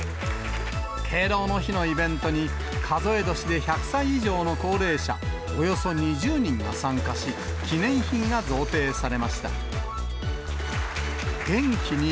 敬老の日のイベントに、数え年で１００歳以上の高齢者およそ２０人が参加し、記念品が贈呈されました。